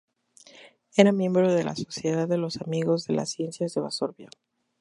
Era miembro de la "Sociedad de los Amigos de las Ciencias de Varsovia".